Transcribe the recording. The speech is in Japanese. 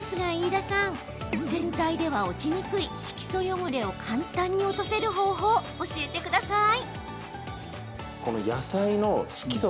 早速ですが飯田さん洗剤では落ちにくい色素汚れを簡単に落とせる方法教えてください。